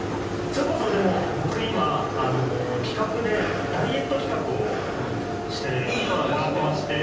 それこそでも僕今企画でダイエット企画をしてもらってまして。